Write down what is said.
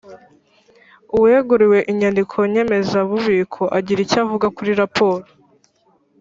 uweguriwe inyandiko nyemezabubiko agira icyo avuga kuri raporo